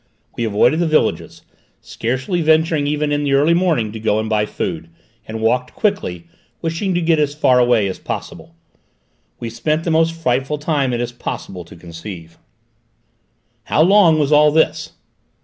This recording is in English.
We avoided the villages, scarcely venturing even in the early morning to go and buy food, and walked quickly, wishing to get as far away as possible. We spent the most frightful time it is possible to conceive." "How long was all this?"